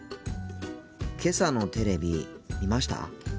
けさのテレビ見ました？